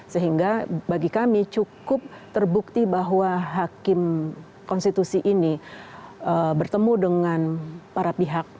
sehingga bagi kami cukup terbukti bahwa hakim konstitusi ini bertemu dengan para pihak